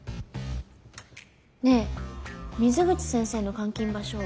ねえ水口先生の監禁場所